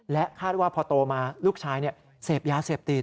คาดว่าพอโตมาลูกชายเสพยาเสพติด